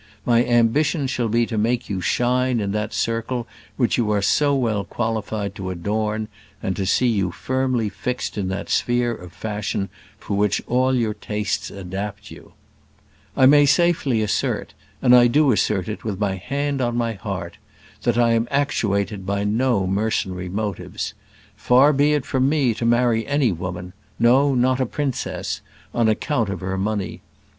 My ambition shall be to make you shine in that circle which you are so well qualified to adorn, and to see you firmly fixed in that sphere of fashion for which all your tastes adapt you. I may safely assert and I do assert it with my hand on my heart that I am actuated by no mercenary motives. Far be it from me to marry any woman no, not a princess on account of her money.